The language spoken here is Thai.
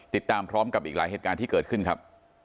ติดตามพร้อมกับอีกหลายเหตุการณ์ที่เกิดขึ้นครับ